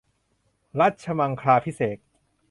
รัชมังคลาภิเษก